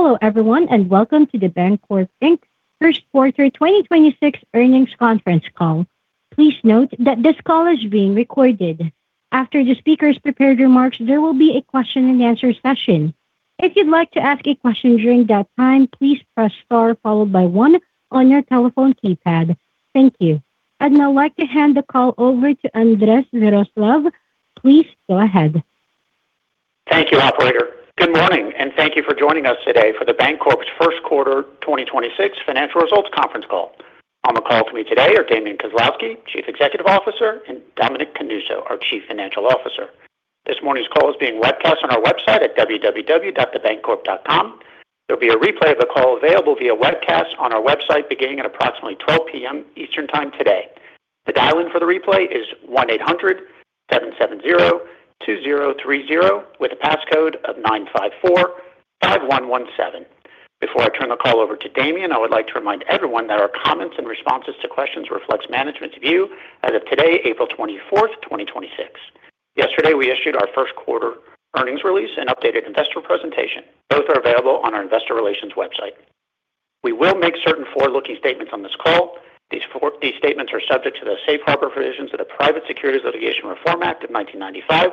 Hello everyone, and welcome to The Bancorp, Inc. first quarter 2026 earnings conference call. Please note that this call is being recorded. After the speaker's prepared remarks, there will be a question-and-answer session. If you'd like to ask a question during that time, please press star followed by one on your telephone keypad. Thank you. I'd now like to hand the call over to Andres Viroslav. Please go ahead. Thank you, operator. Good morning, and thank you for joining us today for The Bancorp's first quarter 2026 financial results conference call. On the call for me today are Damian Kozlowski, Chief Executive Officer, and Dominic Canuso, our Chief Financial Officer. This morning's call is being webcast on our website at www.thebancorp.com. There'll be a replay of the call available via webcast on our website beginning at approximately 12:00 P.M. Eastern Time today. The dial-in for the replay is +1 800-770-2030 with a passcode of 954517. Before I turn the call over to Damian, I would like to remind everyone that our comments and responses to questions reflects management's view as of today, April 24th, 2026. Yesterday, we issued our first quarter earnings release and updated investor presentation. Both are available on our investor relations website. We will make certain forward-looking statements on this call. These statements are subject to the safe harbor provisions of the Private Securities Litigation Reform Act of 1995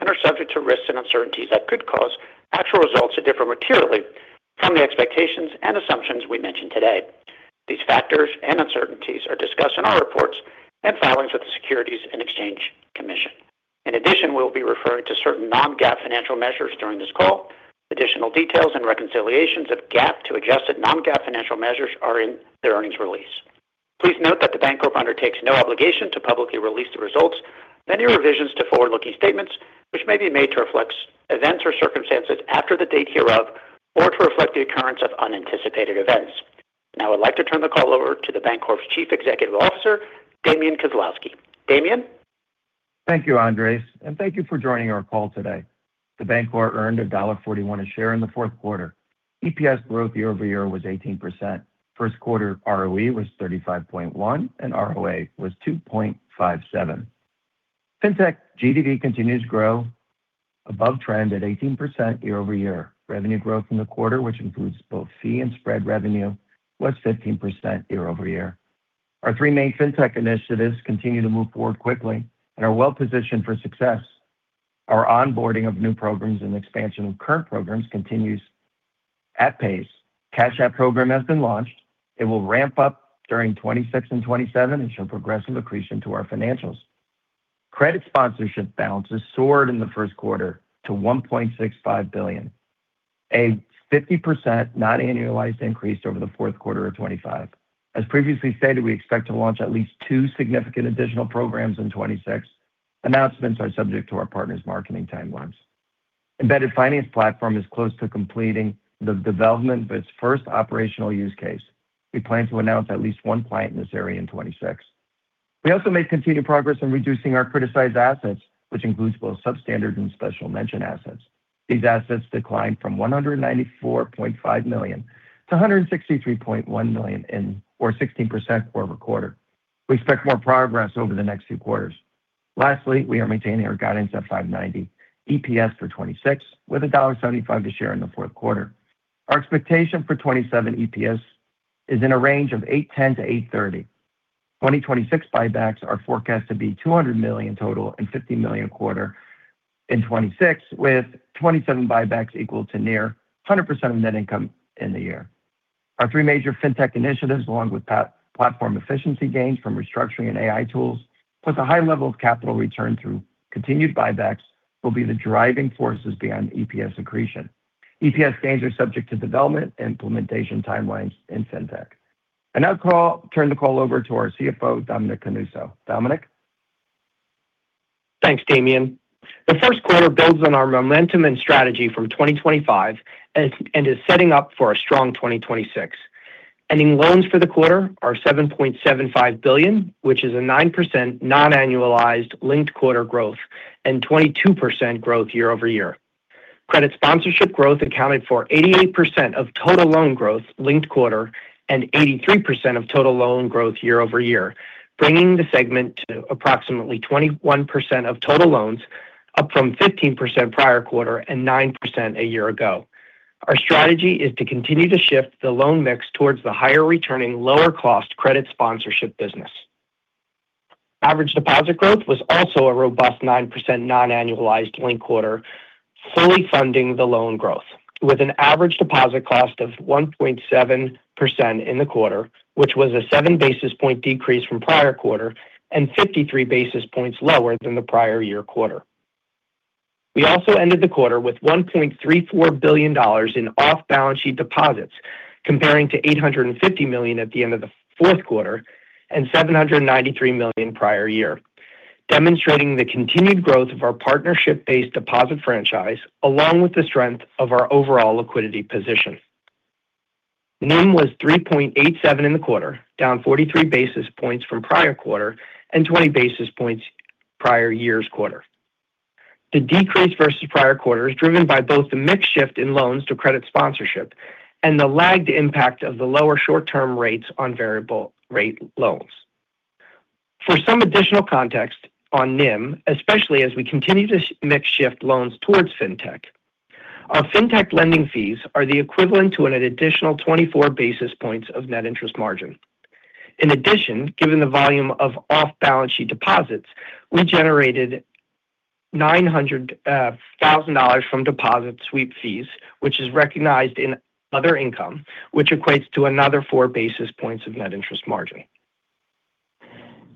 and are subject to risks and uncertainties that could cause actual results to differ materially from the expectations and assumptions we mention today. These factors and uncertainties are discussed in our reports and filings with the Securities and Exchange Commission. In addition, we'll be referring to certain non-GAAP financial measures during this call. Additional details and reconciliations of GAAP to adjusted non-GAAP financial measures are in the earnings release. Please note that The Bancorp undertakes no obligation to publicly release the results of any revisions to forward-looking statements which may be made to reflect events or circumstances after the date hereof or to reflect the occurrence of unanticipated events. Now I'd like to turn the call over to The Bancorp's Chief Executive Officer, Damian Kozlowski. Damian? Thank you, Andres, and thank you for joining our call today. The Bancorp earned $1.41 a share in the fourth quarter. EPS growth year-over-year was 18%. First quarter ROE was 35.1% and ROA was 2.57%. Fintech GDV continues to grow above trend at 18% year-over-year. Revenue growth in the quarter, which includes both fee and spread revenue, was 15% year-over-year. Our three main fintech initiatives continue to move forward quickly and are well-positioned for success. Our onboarding of new programs and expansion of current programs continues at pace. Cash App program has been launched. It will ramp up during 2026 and 2027 and show progressive accretion to our financials. Credit sponsorship balances soared in the first quarter to $1.65 billion, a 50% not annualized increase over the fourth quarter of 2025. As previously stated, we expect to launch at least two significant additional programs in 2026. Announcements are subject to our partners' marketing timelines. Embedded finance platform is close to completing the development of its first operational use case. We plan to announce at least one client in this area in 2026. We also made continued progress in reducing our criticized assets, which includes both substandard and special mention assets. These assets declined from $194.5 million to $163.1 million or 16% quarter-over-quarter. We expect more progress over the next few quarters. Lastly, we are maintaining our guidance at $5.90 EPS for 2026 with $1.75 a share in the fourth quarter. Our expectation for 2027 EPS is in a range of $8.10-$8.30. 2026 buybacks are forecast to be $200 million total and $50 million quarter in 2026, with 2027 buybacks equal to near 100% of net income in the year. Our three major fintech initiatives, along with platform efficiency gains from restructuring and AI tools, plus a high level of capital return through continued buybacks, will be the driving forces behind EPS accretion. EPS gains are subject to development and implementation timelines in fintech. I now turn the call over to our CFO, Dominic Canuso. Dominic. Thanks, Damian. The first quarter builds on our momentum and strategy from 2025 and is setting up for a strong 2026. Ending loans for the quarter are $7.75 billion, which is a 9% non-annualized linked-quarter growth and 22% growth year-over-year. Credit sponsorship growth accounted for 88% of total loan growth linked-quarter and 83% of total loan growth year-over-year, bringing the segment to approximately 21% of total loans, up from 15% prior quarter and 9% a year ago. Our strategy is to continue to shift the loan mix towards the higher returning, lower cost credit sponsorship business. Average deposit growth was also a robust 9% non-annualized linked-quarter, fully funding the loan growth with an average deposit cost of 1.7% in the quarter, which was a 7 basis point decrease from prior quarter and 53 basis points lower than the prior year quarter. We also ended the quarter with $1.34 billion in off-balance sheet deposits comparing to $850 million at the end of the fourth quarter and $793 million prior year, demonstrating the continued growth of our partnership-based deposit franchise along with the strength of our overall liquidity position. NIM was 3.87% in the quarter, down 43 basis points from prior quarter and 20 basis points prior year's quarter. The decrease versus prior quarter is driven by both the mix shift in loans to credit sponsorship and the lagged impact of the lower short-term rates on variable rate loans. For some additional context on NIM, especially as we continue to mix shift loans towards fintech, our fintech lending fees are the equivalent to an additional 24 basis points of net interest margin. In addition, given the volume of off-balance-sheet deposits, we generated $900,000 from deposit sweep fees, which is recognized in other income, which equates to another 4 basis points of net interest margin.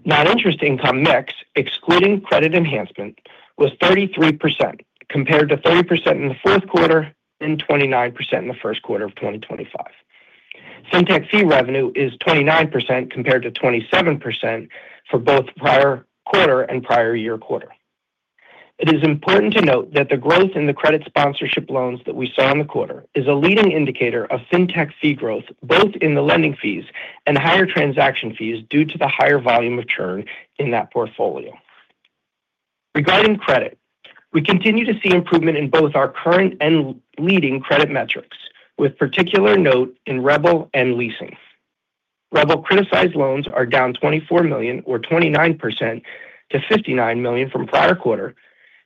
Net interest income mix, excluding credit enhancement, was 33%, compared to 30% in the fourth quarter and 29% in the first quarter of 2025. Fintech fee revenue is 29%, compared to 27% for both prior quarter and prior year quarter. It is important to note that the growth in the credit sponsorship loans that we saw in the quarter is a leading indicator of fintech fee growth both in the lending fees and higher transaction fees due to the higher volume of churn in that portfolio. Regarding credit, we continue to see improvement in both our current and leading credit metrics, with particular note in REBL and leasing. REBL criticized loans are down $24 million or 29% to $59 million from prior quarter,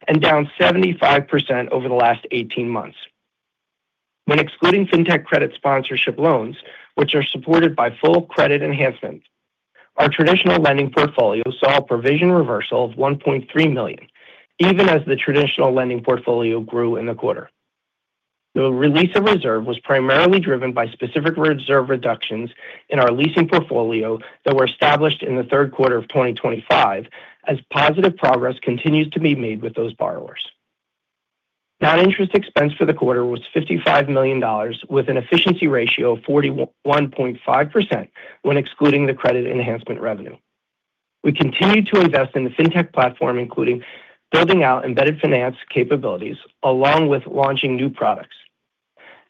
and down 75% over the last 18 months. When excluding fintech credit sponsorship loans, which are supported by full credit enhancement, our traditional lending portfolio saw a provision reversal of $1.3 million, even as the traditional lending portfolio grew in the quarter. The release of reserve was primarily driven by specific reserve reductions in our leasing portfolio that were established in the third quarter of 2025 as positive progress continues to be made with those borrowers. Net interest income for the quarter was $55 million, with an efficiency ratio of 41.5% when excluding the credit enhancement revenue. We continue to invest in the fintech platform, including building out embedded finance capabilities along with launching new products.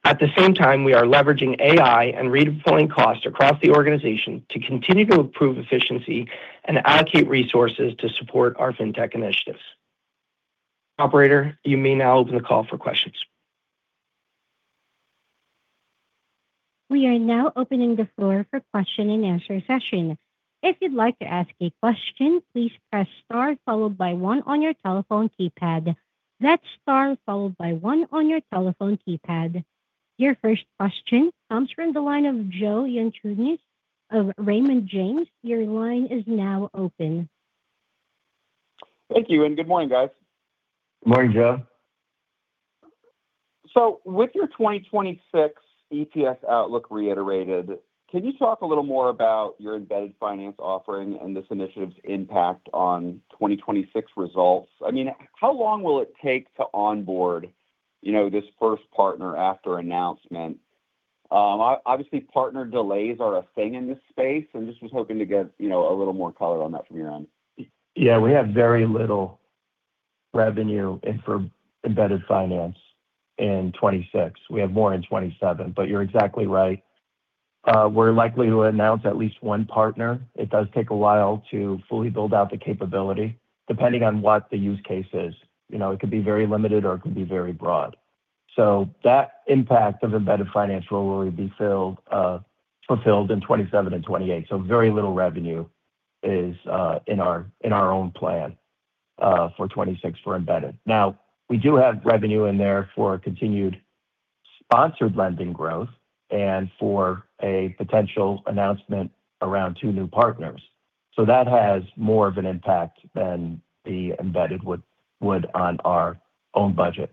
At the same time, we are leveraging AI and redeploying costs across the organization to continue to improve efficiency and allocate resources to support our fintech initiatives. Operator, you may now open the call for questions. We are now opening the floor for question-and-answer session. If you'd like to ask a question, please press star followed by one on your telephone keypad. That's star followed by one on your telephone keypad. Your first question comes from the line of Joe Yanchunis of Raymond James. Your line is now open. Thank you, and good morning, guys. Good morning, Joe. With your 2026 EPS outlook reiterated, can you talk a little more about your embedded finance offering and this initiative's impact on 2026 results? I mean, how long will it take to onboard this first partner after announcement? Obviously, partner delays are a thing in this space, and just was hoping to get a little more color on that from your end. Yeah. We have very little revenue in store for embedded finance in 2026. We have more in 2027. You're exactly right. We're likely to announce at least one partner. It does take a while to fully build out the capability, depending on what the use case is. It could be very limited or it could be very broad. That impact of embedded finance will be felt in 2027 and 2028. Very little revenue is in our own plan for 2026 for embedded. Now, we do have revenue in there for continued sponsored lending growth and for a potential announcement around two new partners. That has more of an impact than the embedded would on our own budget.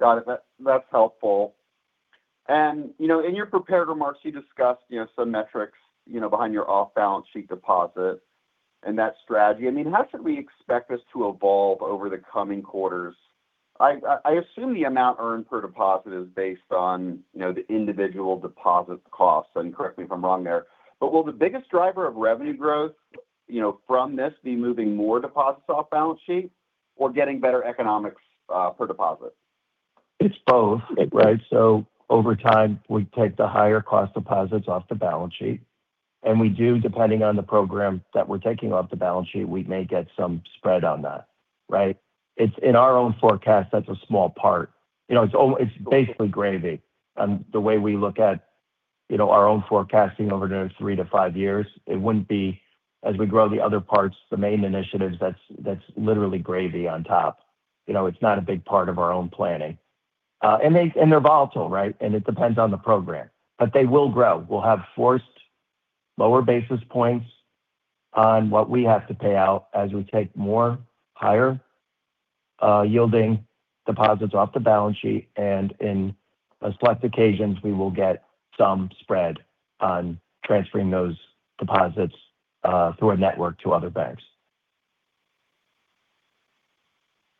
Got it. That's helpful. In your prepared remarks, you discussed some metrics behind your off-balance sheet deposit and that strategy. How should we expect this to evolve over the coming quarters? I assume the amount earned per deposit is based on the individual deposit costs, and correct me if I'm wrong there. Will the biggest driver of revenue growth from this be moving more deposits off balance sheet or getting better economics for deposits? It's both, right? Over time, we take the higher cost deposits off the balance sheet, and we do, depending on the program that we're taking off the balance sheet, we may get some spread on that. Right? It's in our own forecast, that's a small part. It's basically gravy. The way we look at our own forecasting over the next three to five years, it wouldn't be as we grow the other parts, the main initiatives, that's literally gravy on top. It's not a big part of our own planning. They're volatile, right? It depends on the program. They will grow. We'll have forced lower basis points on what we have to pay out as we take more higher yielding deposits off the balance sheet, and in select occasions, we will get some spread on transferring those deposits through our network to other banks.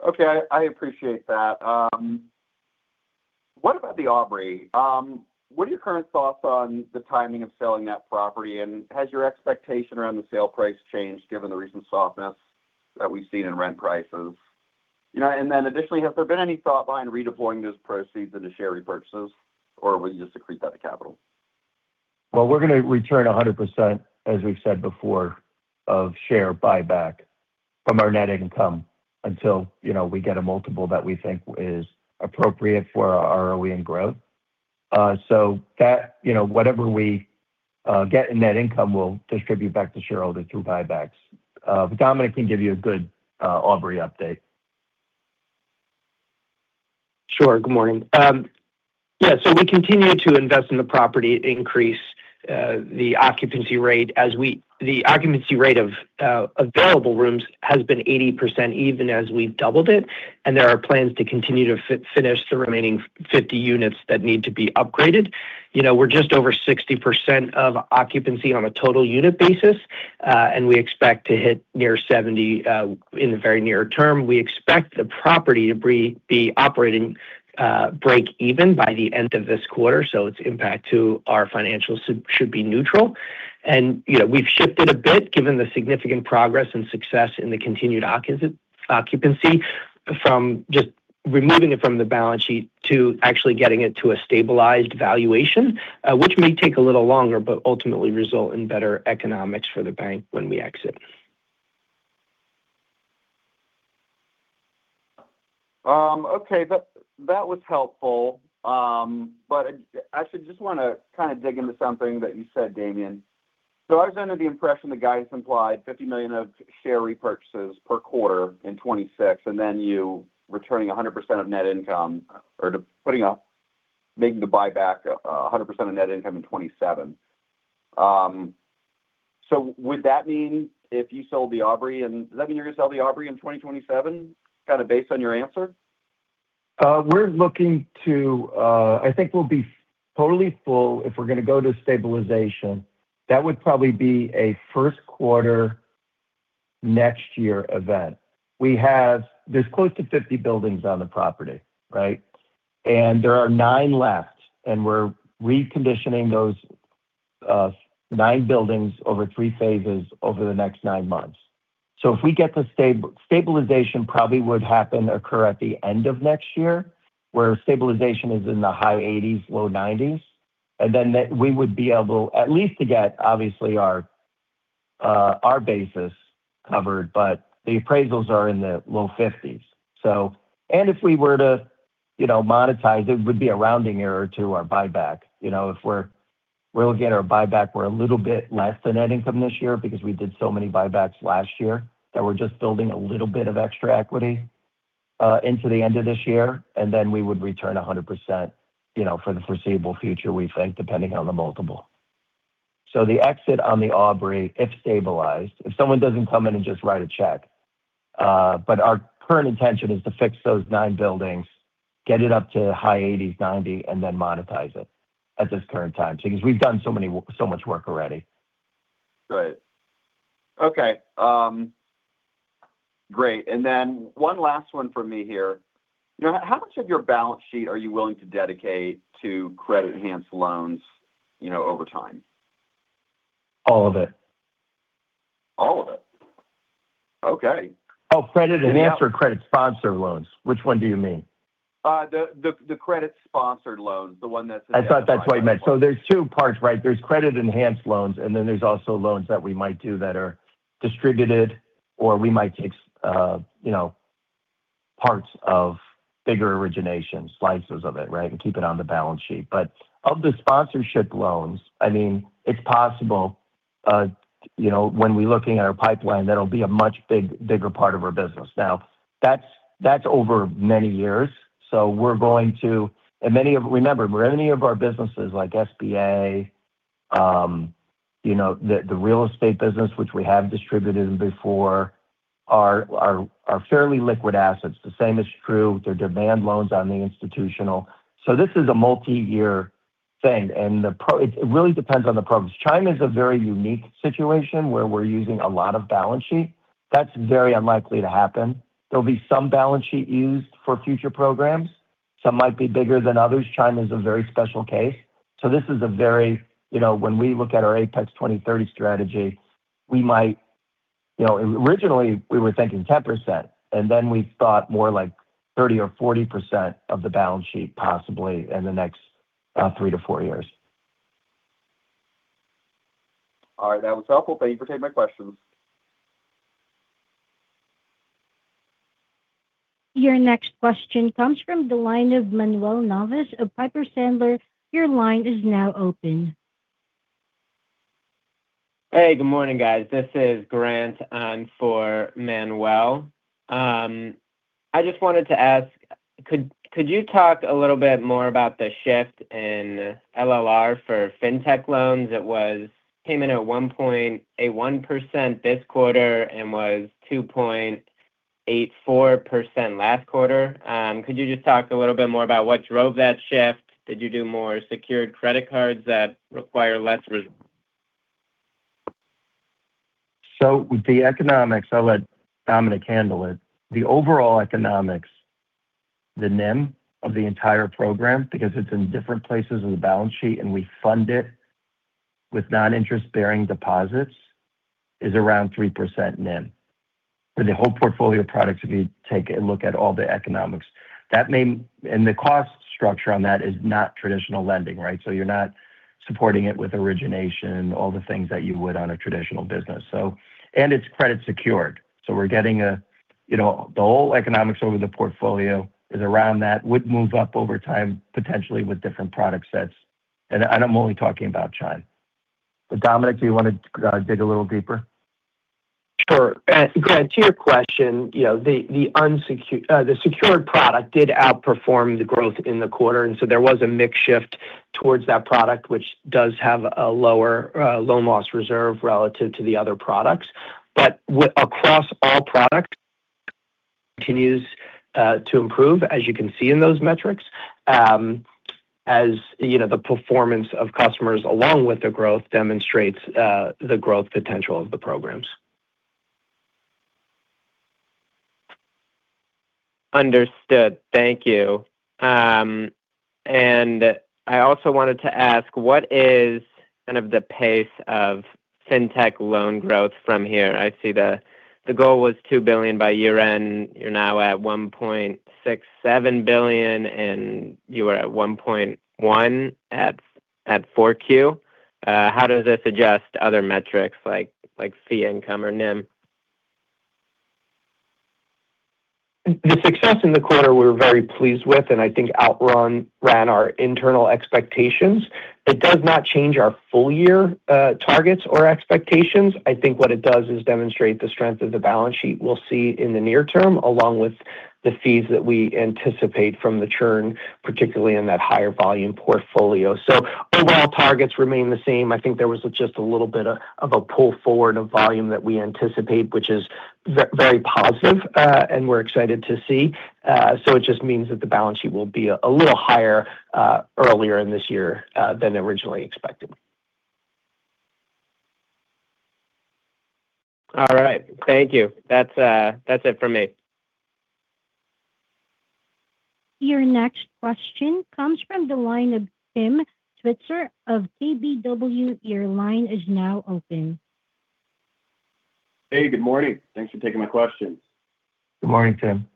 Okay. I appreciate that. What about The Aubrey? What are your current thoughts on the timing of selling that property, and has your expectation around the sale price changed given the recent softness that we've seen in rent prices? Additionally, has there been any thought behind redeploying those proceeds into share repurchases, or will you just accrete that to capital? Well, we're going to return 100%, as we've said before, of share buyback from our net income until we get a multiple that we think is appropriate for our ROE and growth. Whatever we get in net income, we'll distribute back to shareholders through buybacks. Dominic can give you a good Aubrey update. Sure. Good morning. Yeah. We continue to invest in the property, increase the occupancy rate. The occupancy rate of available rooms has been 80%, even as we've doubled it, and there are plans to continue to finish the remaining 50 units that need to be upgraded. We're just over 60% of occupancy on a total unit basis, and we expect to hit near 70% in the very near term. We expect the property to be operating break even by the end of this quarter, so its impact to our financials should be neutral. We've shifted a bit, given the significant progress and success in the continued occupancy from just removing it from the balance sheet to actually getting it to a stabilized valuation. Which may take a little longer, but ultimately result in better economics for the bank when we exit. Okay. That was helpful. I actually just want to dig into something that you said, Damian. I was under the impression that guidance implied $50 million of share repurchases per quarter in 2026, and then you returning 100% of net income or making the buyback 100% of net income in 2027. Would that mean if you sold The Aubrey? Does that mean you're going to sell The Aubrey in 2027, based on your answer? I think we'll be totally full if we're going to go to stabilization. That would probably be a first quarter next year event. There's close to 50 buildings on the property, right? There are nine left, and we're reconditioning those nine buildings over three phases over the next nine months. If we get to stabilization, probably would occur at the end of next year, where stabilization is in the high 80s, low 90s. We would be able at least to get obviously our basis covered. The appraisals are in the low 50s. If we were to monetize, it would be a rounding error to our buyback. We'll get our buyback. We're a little bit less than net income this year because we did so many buybacks last year that we're just building a little bit of extra equity into the end of this year, and then we would return 100% for the foreseeable future, we think, depending on the multiple. The exit on The Aubrey, if stabilized, if someone doesn't come in and just write a check. Our current intention is to fix those nine buildings, get it up to high 80s, 90, and then monetize it at this current time, because we've done so much work already. Right. Okay. Great. One last one from me here. How much of your balance sheet are you willing to dedicate to credit-enhanced loans over time? All of it. All of it? Okay. Oh, credit-enhanced or credit-sponsored loans? Which one do you mean? The credit sponsorship loans, the one that's I thought that's what you meant. There's two parts, right? There's credit-enhanced loans, and then there's also loans that we might do that are distributed, or we might take parts of bigger origination, slices of it, right? Keep it on the balance sheet. Of the sponsorship loans, it's possible when we're looking at our pipeline, that'll be a much bigger part of our business. Now, that's over many years. Remember, many of our businesses like SBA, the real estate business which we have distributed before, are fairly liquid assets. The same is true with our demand loans on the institutional. This is a multi-year thing, and it really depends on the programs. Chime's a very unique situation where we're using a lot of balance sheet. That's very unlikely to happen. There'll be some balance sheet used for future programs. Some might be bigger than others. Chime's a very special case. When we look at our APEX 2030 strategy, originally, we were thinking 10%, and then we thought more like 30% or 40% of the balance sheet possibly in the next three to four years. All right. That was helpful. Thank you for taking my questions. Your next question comes from the line of Manuel Navas of Piper Sandler. Your line is now open. Hey, good morning, guys. This is Grant on for Manuel. I just wanted to ask, could you talk a little bit more about the shift in LLR for fintech loans? It came in at 1.81% this quarter and was 2.84% last quarter. Could you just talk a little bit more about what drove that shift? Did you do more secured credit cards that require less? The economics, I'll let Dominic handle it. The overall economics, the NIM of the entire program, because it's in different places of the balance sheet and we fund it with non-interest-bearing deposits, is around 3% NIM. For the whole portfolio of products if you take a look at all the economics. The cost structure on that is not traditional lending, right? You're not supporting it with origination, all the things that you would on a traditional business. It's credit secured. The whole economics over the portfolio is around that would move up over time, potentially with different product sets. I'm only talking about Chime. Dominic, do you want to dig a little deeper? Sure. Grant, to your question, the secured product did outperform the growth in the quarter, and so there was a mix shift towards that product, which does have a lower loan loss reserve relative to the other products. Across all products, continues to improve, as you can see in those metrics. As the performance of customers along with the growth demonstrates the growth potential of the programs. Understood. Thank you. I also wanted to ask, what is kind of the pace of fintech loan growth from here? I see the goal was $2 billion by year-end. You're now at $1.67 billion, and you were at $1.1 billion at 4Q. How does this adjust other metrics like fee income or NIM? The success in the quarter we're very pleased with, and I think outran our internal expectations. It does not change our full year targets or expectations. I think what it does is demonstrate the strength of the balance sheet we'll see in the near term, along with the fees that we anticipate from the churn, particularly in that higher volume portfolio. Overall targets remain the same. I think there was just a little bit of a pull forward of volume that we anticipate, which is very positive, and we're excited to see. It just means that the balance sheet will be a little higher, earlier in this year than originally expected. All right. Thank you. That's it for me. Your next question comes from the line of Tim Switzer of KBW. Your line is now open. Hey, good morning. Thanks for taking my questions. Good morning, Tim.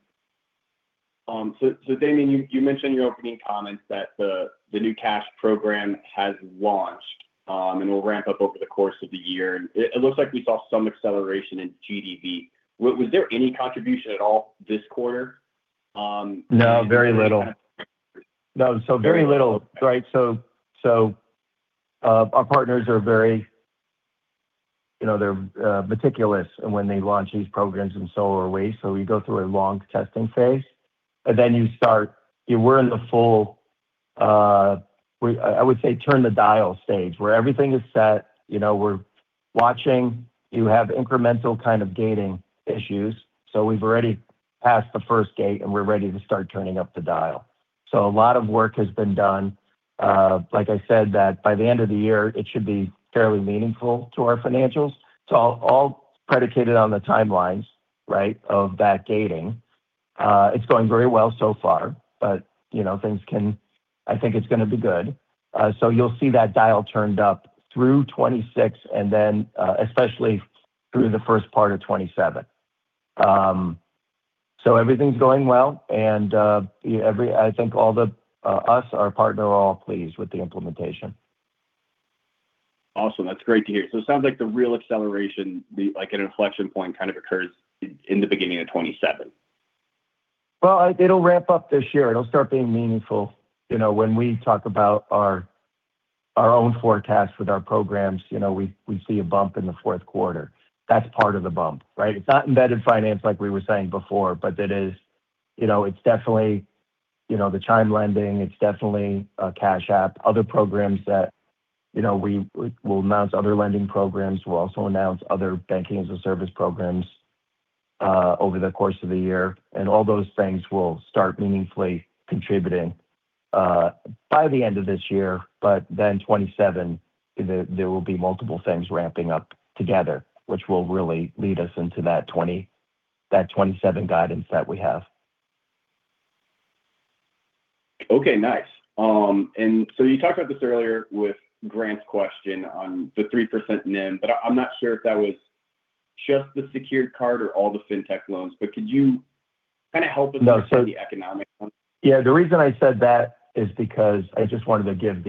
Damian, you mentioned in your opening comments that the new cash program has launched and will ramp up over the course of the year. It looks like we saw some acceleration in GDV. Was there any contribution at all this quarter? No, very little. No. Very little, right? Our partners are very meticulous when they launch these programs and so are we, so we go through a long testing phase, and then you start. We're in the full, I would say, turn the dial stage where everything is set. We're watching. You have incremental kind of gating issues. We've already passed the first gate, and we're ready to start turning up the dial. A lot of work has been done. Like I said, that by the end of the year, it should be fairly meaningful to our financials. It's all predicated on the timelines, right, of that gating. It's going very well so far. I think it's going to be good. You'll see that dial turned up through 2026 and then especially through the first part of 2027. Everything's going well and I think all of us, our partners, are all pleased with the implementation. Awesome. That's great to hear. It sounds like the real acceleration, like an inflection point kind of occurs in the beginning of 2027. Well, it'll ramp up this year. It'll start being meaningful. When we talk about our own forecast with our programs, we see a bump in the fourth quarter. That's part of the bump, right? It's not embedded finance like we were saying before, but it's definitely the Chime lending. It's definitely Cash App. Other programs that we'll announce other lending programs. We'll also announce other banking as a service programs over the course of the year. All those things will start meaningfully contributing by the end of this year, but then 2027, there will be multiple things ramping up together, which will really lead us into that 2027 guidance that we have. Okay, nice. You talked about this earlier with Grant's question on the 3% NIM, but I'm not sure if that was just the secured card or all the fintech loans, but could you kind of help us understand the economics? Yeah. The reason I said that is because I just wanted to give.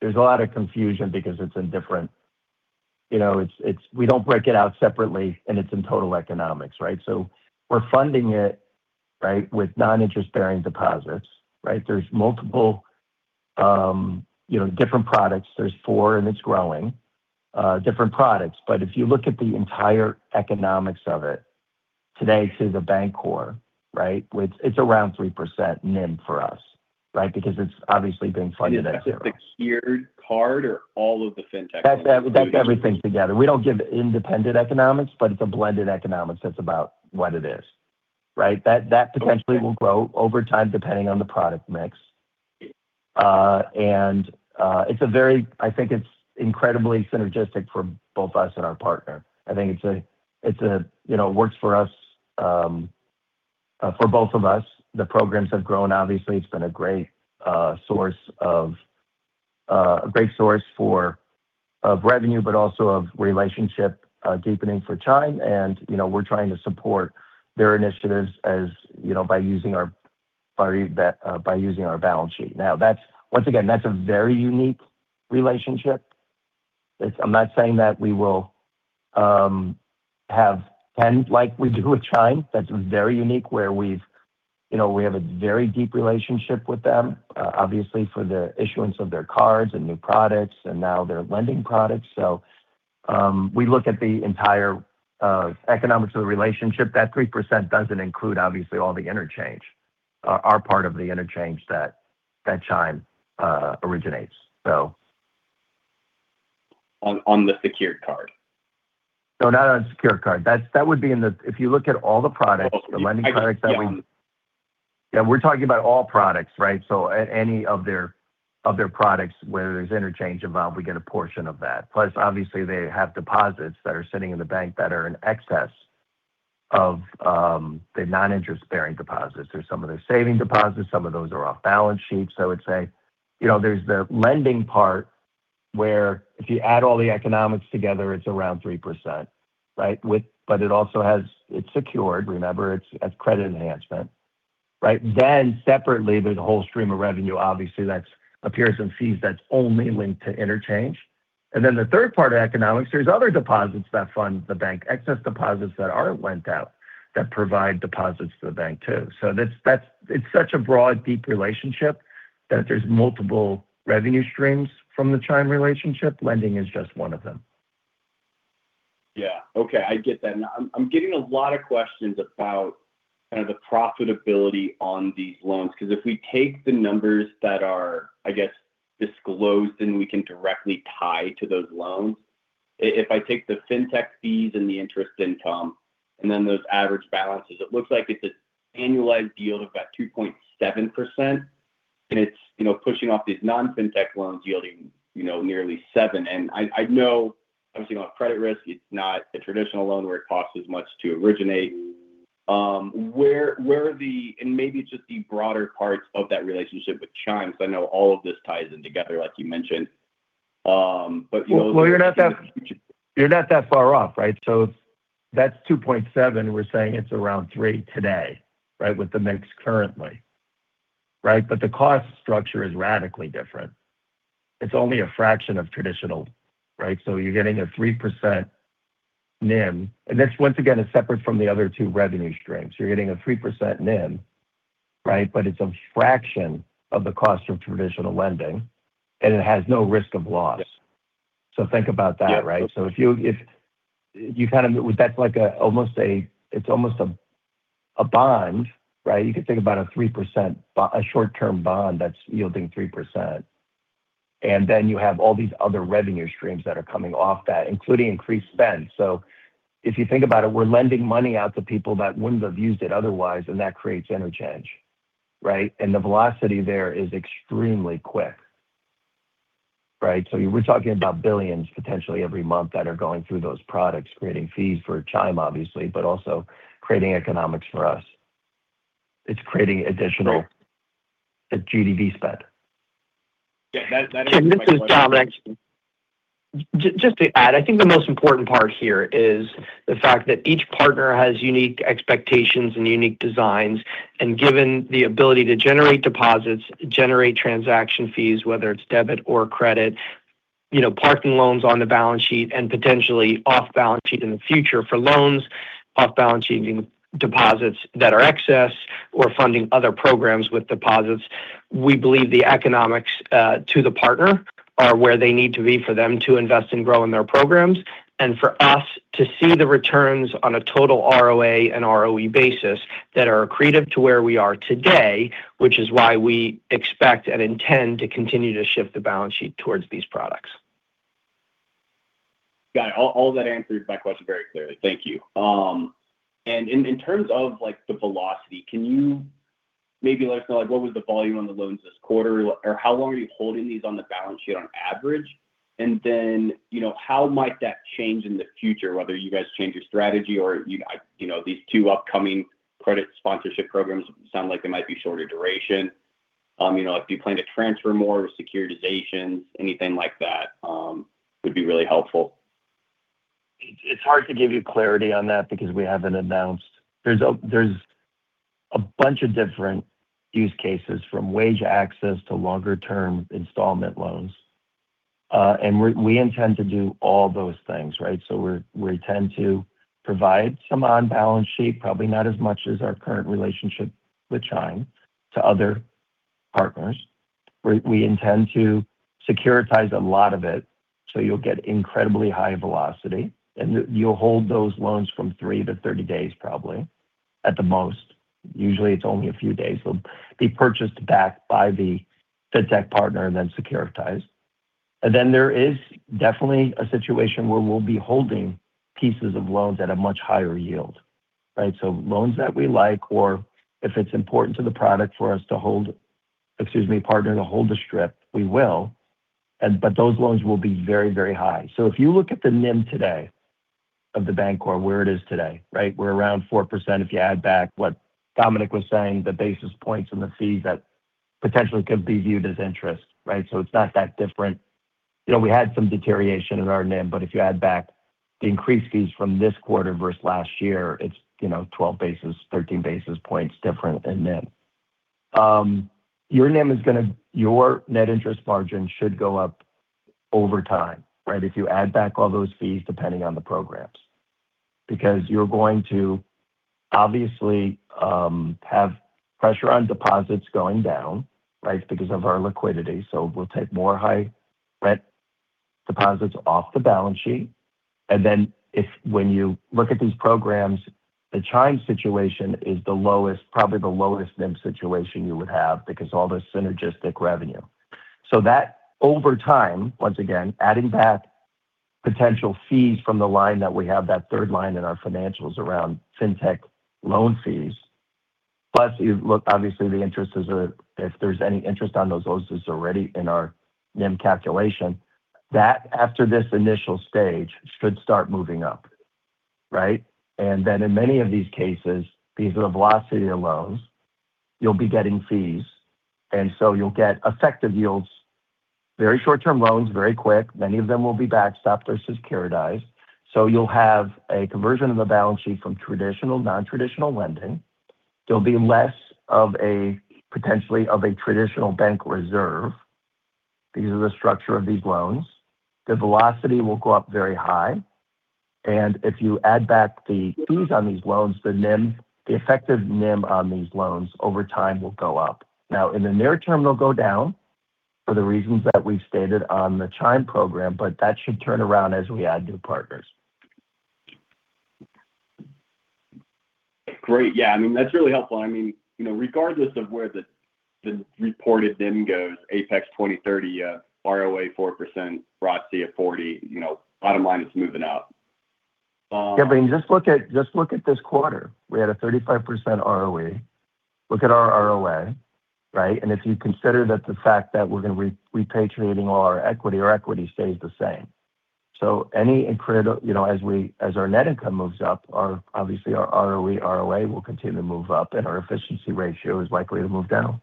There's a lot of confusion because we don't break it out separately, and it's in total economics, right? We're funding it, right, with non-interest bearing deposits, right? There's multiple different products. There's four, and it's growing. Different products. If you look at the entire economics of it today to The Bancorp, right? It's around 3% NIM for us, right? Because it's obviously being funded at zero. Is that just the secured card or all of the fintech? That's everything together. We don't give independent economics, but it's a blended economics. That's about what it is. Right? That potentially will grow over time, depending on the product mix. I think it's incredibly synergistic for both us and our partner. I think it works for us, for both of us. The programs have grown, obviously. It's been a great source of revenue, but also of relationship deepening for Chime, and we're trying to support their initiatives by using our balance sheet. Now, once again, that's a very unique relationship. I'm not saying that we will have 10 like we do with Chime. That's very unique, where we have a very deep relationship with them. Obviously, for the issuance of their cards and new products, and now their lending products. We look at the entire economics of the relationship. That 3% doesn't include, obviously, all the interchange. Our part of the interchange that Chime originates. On the secured card? No, not on secured card. If you look at all the products. Oh. Yeah, we're talking about all products, right? Any of their products where there's interchange involved, we get a portion of that. Plus, obviously, they have deposits that are sitting in the bank that are in excess of the non-interest-bearing deposits. There's some of their savings deposits. Some of those are off-balance-sheet, I would say. There's the lending part where if you add all the economics together, it's around 3%. Right? But it also has. It's secured. Remember, it's credit enhancement. Right? Separately, there's a whole stream of revenue, obviously, that appears in fees that's only linked to interchange. The third part of economics, there's other deposits that fund the bank. Excess deposits that aren't lent out that provide deposits to the bank too. It's such a broad, deep relationship that there's multiple revenue streams from the Chime relationship. Lending is just one of them. Yeah. Okay. I get that now. I'm getting a lot of questions about kind of the profitability on these loans. Because if we take the numbers that are, I guess, disclosed, then we can directly tie to those loans. If I take the fintech fees and the interest income and then those average balances, it looks like it's an annualized yield of about 2.7%. It's pushing off these non-fintech loans yielding nearly 7%. I know, obviously, you don't have credit risk. It's not a traditional loan where it costs as much to originate. Maybe it's just the broader parts of that relationship with Chime because I know all of this ties in together, like you mentioned. Well, you're not that far off, right? That's 2.7%. We're saying it's around 3% today, right? With the mix currently, right? The cost structure is radically different. It's only a fraction of traditional, right? You're getting a 3% NIM, and this, once again, is separate from the other two revenue streams. You're getting a 3% NIM, right? It's a fraction of the cost of traditional lending, and it has no risk of loss. Yeah. Think about that, right? That's like almost a bond, right? You could think about a short-term bond that's yielding 3%. Then you have all these other revenue streams that are coming off that, including increased spend. If you think about it, we're lending money out to people that wouldn't have used it otherwise, and that creates interchange, right? The velocity there is extremely quick. Right? We're talking about billions potentially every month that are going through those products, creating fees for Chime, obviously, but also creating economics for us. It's creating additional GDV spend. Yeah. That answers my question. Tim, this is Dominic. Just to add, I think the most important part here is the fact that each partner has unique expectations and unique designs, given the ability to generate deposits, generate transaction fees, whether it's debit or credit, parking loans on the balance sheet, and potentially off balance sheet in the future for loans, off balance sheet deposits that are excess, or funding other programs with deposits. We believe the economics to the partner are where they need to be for them to invest and grow in their programs, for us to see the returns on a total ROA and ROE basis that are accretive to where we are today, which is why we expect and intend to continue to shift the balance sheet towards these products. Got it. All that answered my question very clearly. Thank you. In terms of the velocity, can you maybe let us know what was the volume on the loans this quarter? How long are you holding these on the balance sheet on average? How might that change in the future, whether you guys change your strategy or these two upcoming credit sponsorship programs sound like they might be shorter duration. If you plan to transfer more with securitizations, anything like that would be really helpful. It's hard to give you clarity on that because we haven't announced. There's a bunch of different use cases, from wage access to longer-term installment loans. We intend to do all those things, right? We intend to provide some on-balance sheet, probably not as much as our current relationship with Chime, to other partners. We intend to securitize a lot of it, so you'll get incredibly high velocity. You'll hold those loans from three to 30 days, probably, at the most. Usually, it's only a few days. They'll be purchased back by the fintech partner, and then securitized. Then there is definitely a situation where we'll be holding pieces of loans at a much higher yield. Right? Loans that we like or if it's important to the product for us to hold, excuse me, partner to hold the strip, we will. Those loans will be very high. If you look at the NIM today of The Bancorp or where it is today, right? We're around 4% if you add back what Dominic was saying, the basis points and the fees that potentially could be viewed as interest, right? It's not that different. We had some deterioration in our NIM. If you add back the increased fees from this quarter versus last year, it's 12, 13 basis points different in NIM. Your net interest margin should go up over time, right? If you add back all those fees, depending on the programs. You're going to obviously have pressure on deposits going down, right? Because of our liquidity. We'll take more high-rate deposits off the balance sheet. When you look at these programs, the Chime situation is the lowest, probably the lowest NIM situation you would have because all the synergistic revenue. That over time, once again, adding back potential fees from the line that we have, that third line in our financials around fintech loan fees. Plus, you look, obviously the interest is. If there's any interest on those leases already in our NIM calculation, that after this initial stage should start moving up. Right? In many of these cases, these are velocity of loans. You'll be getting fees. You'll get effective yields, very short-term loans, very quick. Many of them will be backstop. They're securitized. You'll have a conversion of the balance sheet from traditional/non-traditional lending. There'll be less of a, potentially, traditional bank reserve. These are the structure of these loans. The velocity will go up very high. If you add back the fees on these loans, the NIM, the effective NIM on these loans over time will go up. Now, in the near term, they'll go down for the reasons that we've stated on the Chime program, but that should turn around as we add new partners. Great. Yeah. I mean, that's really helpful. I mean, regardless of where the reported NIM goes, APEX 2030, ROA 4%, ROTCE at 40%, bottom line is moving up. Yeah, just look at this quarter. We had a 35% ROE. Look at our ROA, right? If you consider that the fact that we're going to repatriating all our equity, our equity stays the same. Any increase as our net income moves up, obviously our ROE, ROA will continue to move up and our efficiency ratio is likely to move down.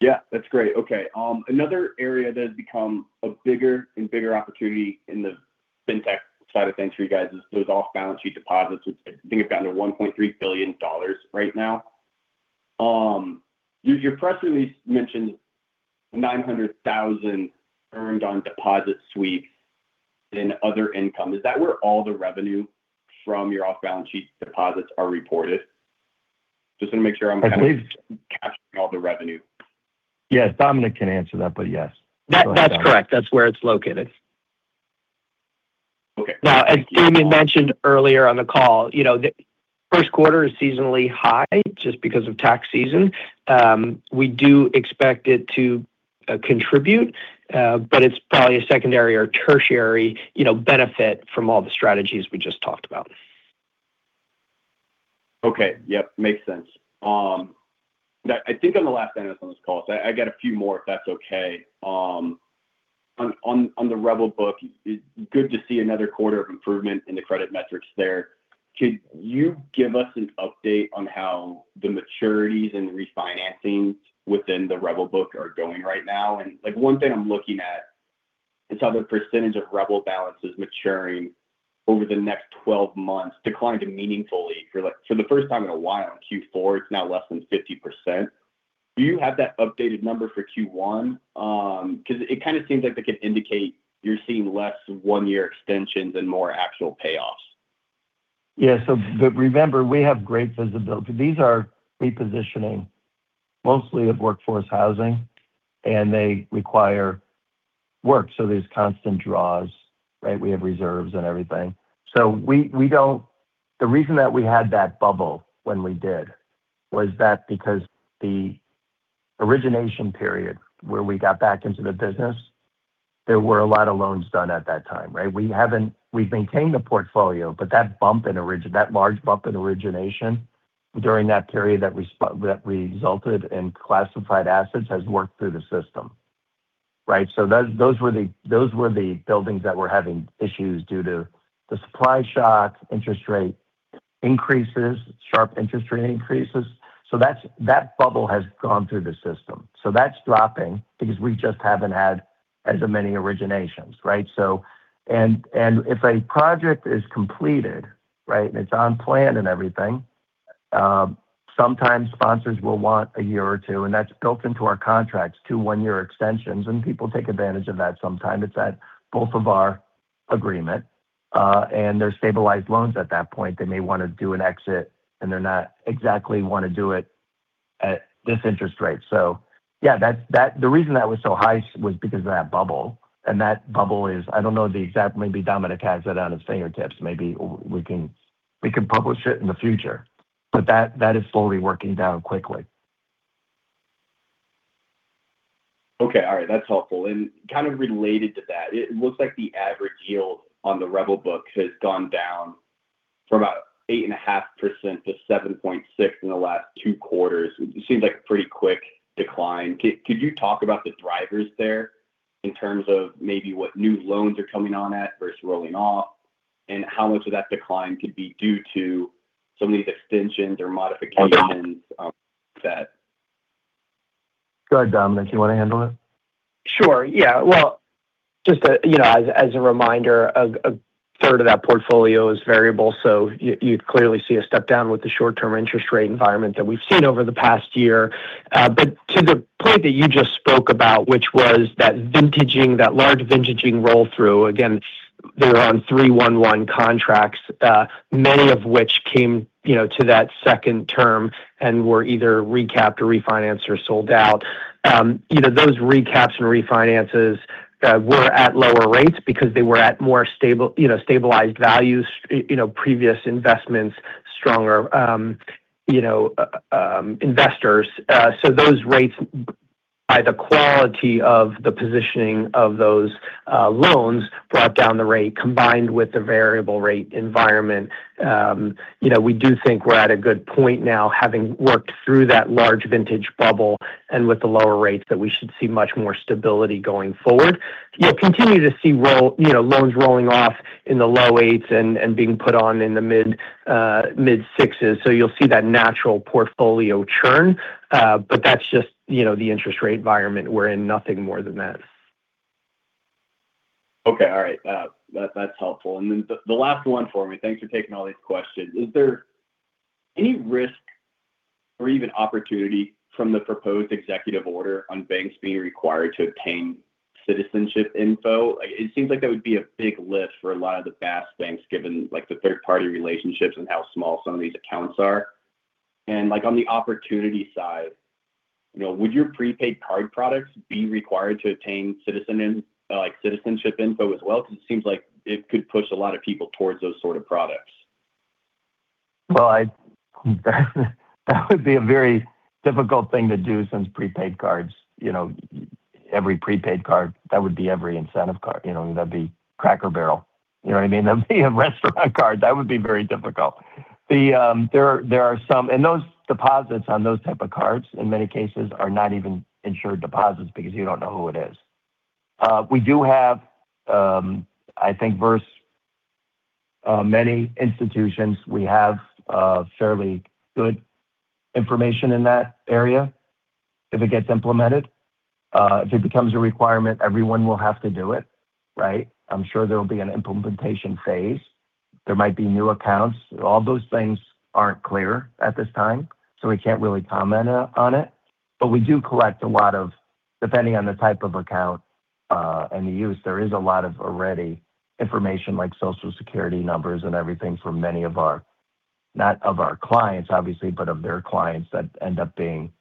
Yeah. That's great. Okay. Another area that has become a bigger and bigger opportunity in the fintech side of things for you guys is those off-balance sheet deposits, which I think have gotten to $1.3 billion right now. Your press release mentioned $900,000 earned on deposit sweeps in other income. Is that where all the revenue from your off-balance sheet deposits are reported? Just want to make sure I'm- I believe. capturing all the revenue. Yes. Dominic can answer that, but yes. That's correct. That's where it's located. Okay. Now, as Damian mentioned earlier on the call, the first quarter is seasonally high just because of tax season. We do expect it to contribute, but it's probably a secondary or tertiary benefit from all the strategies we just talked about. Okay. Yep. Makes sense. I think I'm the last analyst on this call, so I got a few more if that's okay. On the REBL book, good to see another quarter of improvement in the credit metrics there. Could you give us an update on how the maturities and refinancings within the REBL book are going right now? One thing I'm looking at is how the percentage of REBL balances maturing over the next 12 months declined meaningfully for the first time in a while in Q4. It's now less than 50%. Do you have that updated number for Q1? Because it kind of seems like that could indicate you're seeing less one-year extensions and more actual payoffs. Remember, we have great visibility. These are repositioning mostly of workforce housing, and they require work. There's constant draws, right? We have reserves and everything. The reason that we had that bubble when we did was because the origination period where we got back into the business, there were a lot of loans done at that time, right? We've maintained the portfolio, but that large bump in origination during that period that resulted in classified assets has worked through the system. Right? Those were the buildings that were having issues due to the supply shock, interest rate increases, sharp interest rate increases. That bubble has gone through the system. That's dropping because we just haven't had as many originations, right? If a project is completed, right, and it's on plan and everything, sometimes sponsors will want a year or two, and that's built into our contracts, two one-year extensions, and people take advantage of that sometimes. It's by mutual agreement. They're stabilized loans at that point. They may want to do an exit, and they don't exactly want to do it at this interest rate. Yeah, the reason that was so high was because of that bubble. That bubble is, I don't know the exact, maybe Dominic has it on his fingertips. Maybe we can publish it in the future. That is slowly working down quickly. Okay. All right. That's helpful. Kind of related to that, it looks like the average yield on the REBL book has gone down from about 8.5% to 7.6% in the last two quarters, which seems like a pretty quick decline. Could you talk about the drivers there in terms of maybe what new loans are coming on at versus rolling off? And how much of that decline could be due to some of these extensions or modifications? Go ahead, Dominic. You want to handle it? Sure. Yeah. Well, just as a reminder, a third of that portfolio is variable, so you'd clearly see a step down with the short-term interest rate environment that we've seen over the past year. To the point that you just spoke about, which was that large vintaging roll-through, again, they were on three-one-one contracts, many of which came to that second term and were either recapped or refinanced or sold out. Those recaps and refinances were at lower rates because they were at more stabilized values, previous investments, stronger investors. Those rates by the quality of the positioning of those loans brought down the rate combined with the variable rate environment. We do think we're at a good point now, having worked through that large vintage bubble and with the lower rates, that we should see much more stability going forward. You'll continue to see loans rolling off in the low eights and being put on in the mid sixes. You'll see that natural portfolio churn. That's just the interest rate environment we're in, nothing more than that. Okay. All right. That's helpful. The last one for me. Thanks for taking all these questions. Is there any risk or even opportunity from the proposed executive order on banks being required to obtain citizenship info? It seems like that would be a big lift for a lot of the BaaS banks, given the third-party relationships and how small some of these accounts are. On the opportunity side, would your prepaid card products be required to obtain citizenship info as well? Because it seems like it could push a lot of people towards those sort of products. Well, that would be a very difficult thing to do since prepaid cards, every prepaid card, that would be every incentive card. That'd be Cracker Barrel. You know what I mean? That'd be a restaurant card. That would be very difficult. Those deposits on those type of cards, in many cases, are not even insured deposits because you don't know who it is. We do have, I think versus many institutions, we have fairly good information in that area. If it gets implemented, if it becomes a requirement, everyone will have to do it, right? I'm sure there'll be an implementation phase. There might be new accounts. All those things aren't clear at this time, so we can't really comment on it. We do collect a lot of, depending on the type of account, and the use, there is a lot of ready information like Social Security numbers and everything for many of our, not of our clients, obviously, but of their clients that end up being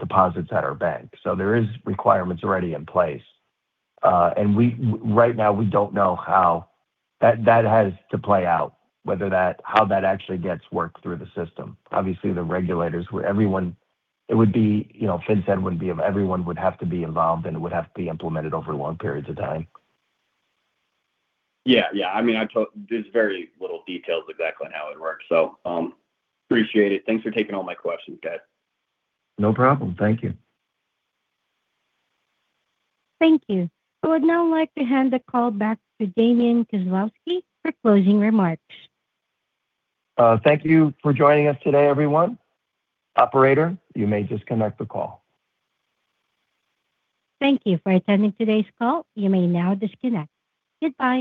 deposits at our bank. There is requirements already in place. Right now, we don't know how that has to play out, how that actually gets worked through the system. Obviously, the regulators, everyone, FinCEN, everyone would have to be involved, and it would have to be implemented over long periods of time. Yeah. There's very little details exactly on how it works. Appreciate it. Thanks for taking all my questions, guys. No problem. Thank you. Thank you. I would now like to hand the call back to Damian Kozlowski for closing remarks. Thank you for joining us today, everyone. Operator, you may disconnect the call. Thank you for attending today's call. You may now disconnect. Goodbye